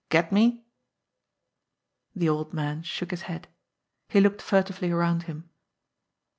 Get me?" The old man shook his head. He looked furtively around him.